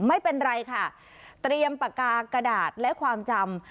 ไม่เป็นไรค่ะเตรียมปากกากระดาษและความจำ